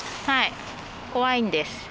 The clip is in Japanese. はい怖いんです。